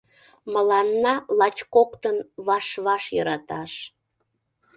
Мыланна лач коктын ваш-ваш йӧраташ…